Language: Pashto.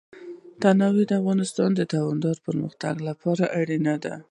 تنوع د افغانستان د دوامداره پرمختګ لپاره اړین دي.